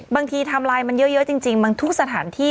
ไทม์ไลน์มันเยอะจริงบางทุกสถานที่